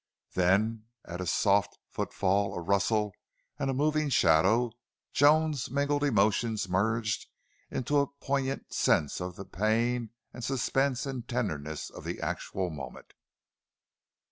Then at a soft footfall, a rustle, and a moving shadow Joan's mingled emotions merged into a poignant sense of the pain and suspense and tenderness of the actual moment.